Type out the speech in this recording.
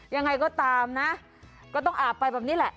ยังไงก็ตามนะก็ต้องอาบไปแบบนี้แหละ